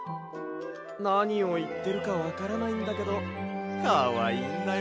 なにをいってるかわからないんだけどかわいいんだよな。